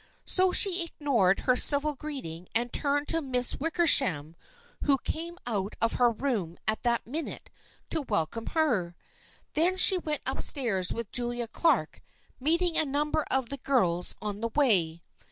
So she ignored her civil greeting, and turned to Miss Wickersham, who came out of her room at that minute to wel come her. Then she went up stairs with Julia Clark, meeting a number of the girls on the way.